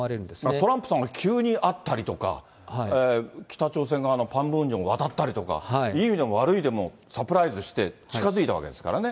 トランプさんが急に会ったりとか、北朝鮮側のパンムンジョムを渡ったりとか、いい意味でも悪い意味でもサプライズして近づいちゃったわけですからね。